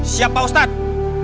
siap pak ustadz